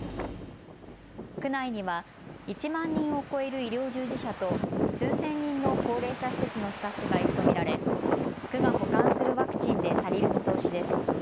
区内には１万人を超える医療従事者と数千人の高齢者施設のスタッフがいると見られ区が保管するワクチンで足りる見通しです。